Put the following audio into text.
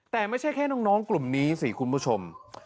แต่ไม่ใช่แค่น้องกลุ่มนี้สิคุณผู้ชม